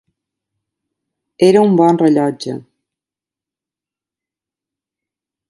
Era un bon rellotge.